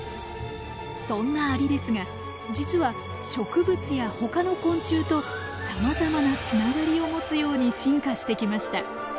そんなアリですが実は植物やほかの昆虫とさまざまなつながりを持つように進化してきました。